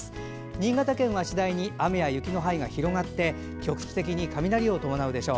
新潟県は次第に雨や雪の範囲が広がって局地的に雷を伴うでしょう。